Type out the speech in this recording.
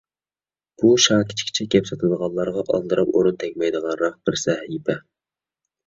بۇ شاكىچىكچە گەپ ساتىدىغانلارغا ئالدىراپ ئورۇن تەگمەيدىغانراق بىر سەھىپە.